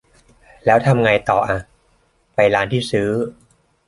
แล้วทำไงต่ออ่ะ ไปร้านที่ซื้อ ?